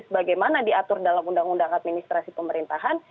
sebagaimana diatur dalam undang undang administrasi pemerintahan